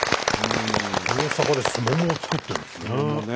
大阪ですももを作ってるんですね。